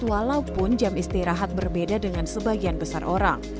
walaupun jam istirahat berbeda dengan sebagian besar orang